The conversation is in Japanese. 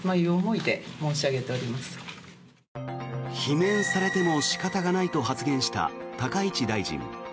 罷免されても仕方がないと発言した高市大臣。